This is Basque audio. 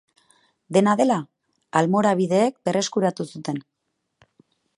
Dena dela almorabideek berreskuratu zuten.